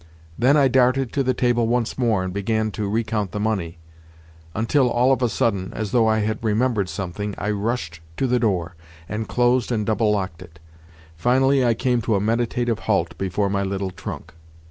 Then I darted to the table once more, and began to recount the money; until all of a sudden, as though I had remembered something, I rushed to the door, and closed and double locked it. Finally I came to a meditative halt before my little trunk.